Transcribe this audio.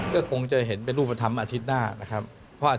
คงจะเห็นเป็นรูปธรรมนครอบคุณหน้านะครับ